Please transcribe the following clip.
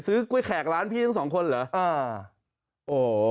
ซื้อกล้วยแขกร้านพี่ทั้งสองคนเหรออ่าโอ้โฮ